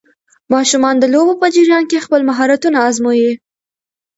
ماشومان د لوبو په جریان کې خپل مهارتونه ازمويي.